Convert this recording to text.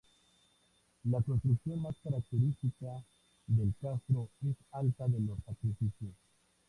La construcción más característica del castro es el altar de los sacrificios.